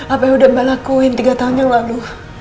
apa yang udah mbak lakuin tiga tahun yang lalu